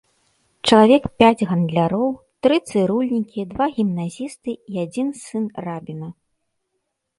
Чалавек пяць гандляроў, тры цырульнікі, два гімназісты і адзін сын рабіна.